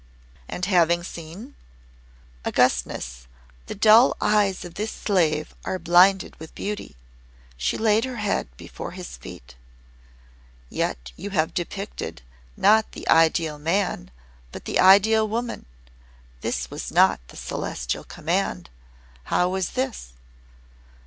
"And having seen?" "Augustness, the dull eyes of this slave are blinded with beauty." She laid her head before his feet. "Yet you have depicted, not the Ideal Man, but the Ideal Woman. This was not the Celestial command. How was this?"